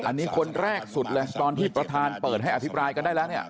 อันนี้คนแรกสุดเลยตอนที่ประธานเปิดให้อภิปรายกันได้แล้วเนี่ย